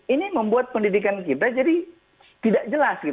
ini membuat pendidikan kita jadi tidak jelas